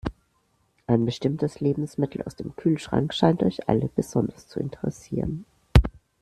Ein bestimmtes Lebensmittel aus dem Kühlschrank scheint euch alle besonders zu interessieren.